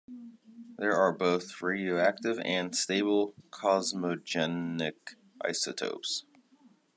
There are both radioactive and stable cosmogenic isotopes.